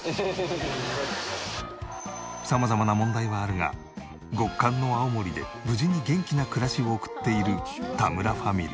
様々な問題はあるが極寒の青森で無事に元気な暮らしを送っている田村ファミリー。